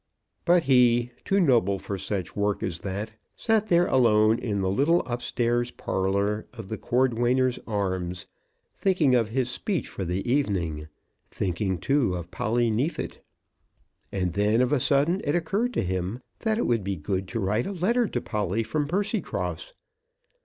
But he, too noble for such work as that, sat there alone in the little upstairs parlour of the Cordwainers' Arms, thinking of his speech for the evening, thinking, too, of Polly Neefit. And then, of a sudden, it occurred to him that it would be good to write a letter to Polly from Percycross.